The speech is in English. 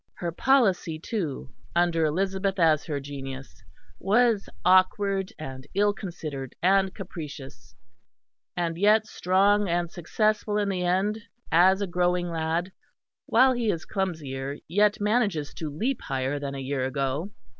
Her policy, too, under Elizabeth as her genius, was awkward and ill considered and capricious, and yet strong and successful in the end, as a growing lad, while he is clumsier, yet manages to leap higher than a year ago.